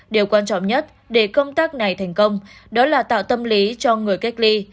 điều quan trọng nhất để công tác này thành công đó là tạo tâm lý cho người cách ly